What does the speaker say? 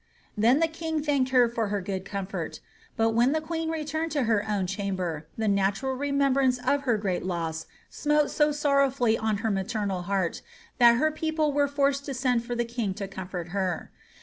^ Then the king thanked her for her good comfort But when the queen returned to her own chamber, the natural remembrance of her great loss smote so sorrowfully on her maternal heart, that her people were forced to send for the king to comfort her.